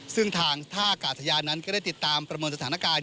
ซึ่งทางท่ากาศยานนั้นก็ได้ติดตามประเมินสถานการณ์